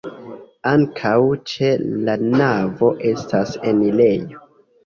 Ankaŭ ĉe la navo estas enirejo.